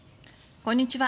こんにちは。